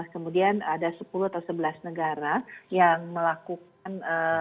kemudian ada sepuluh atau sebelas negara yang melakukan